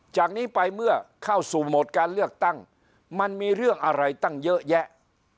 จากนี้ไปเมื่อเข้าสู่โหมดการเลือกตั้งมันมีเรื่องอะไรตั้งเยอะแยะ